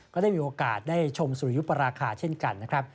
ก็ได้มีโอกาสได้ชมสุริยุปราคาเช่นกันนะครับ